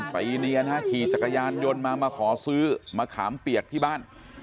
ไปเนียนฮะขี่จักรยานยนต์มามาขอซื้อมะขามเปียกที่บ้าน